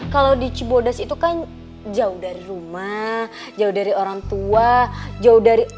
kalau di cibodas itu kan jauh dari rumah jauh dari orang tua jauh dari